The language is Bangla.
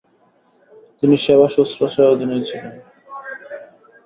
তিনি সেবা-শুশ্রূষার অধীনেই ছিলেন।